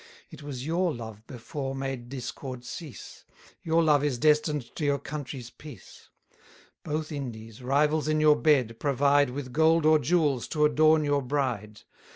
120 It was your love before made discord cease: Your love is destined to your country's peace. Both Indies, rivals in your bed, provide With gold or jewels to adorn your bride.